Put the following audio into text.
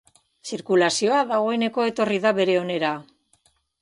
Zirkulazioa dagoeneko etorri da bere onera.